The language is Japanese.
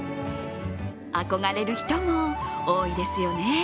あこがれる人も多いですよね。